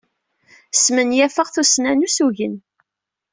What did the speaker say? Smenyafeɣ tussna n ussugen.